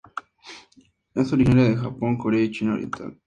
Es originaria de Japón, Corea y China oriental.